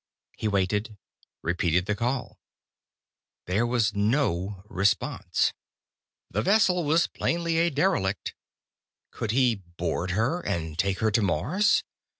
He waited, repeated the call. There was no response. The vessel was plainly a derelict. Could he board her, and take her to Mars?